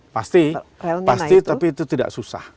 pasti pasti tapi itu tidak susah